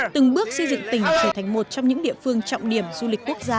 từng bước xây dựng tỉnh trở thành một trong những địa phương trọng điểm du lịch quốc gia